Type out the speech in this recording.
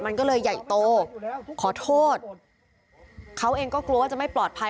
มันก็เลยใหญ่โตขอโทษเขาเองก็กลัวว่าจะไม่ปลอดภัย